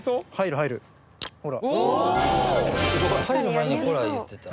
入る前に「ほら」言ってた。